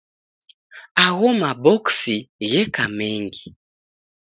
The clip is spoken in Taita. Agho maboksi gheka mengi.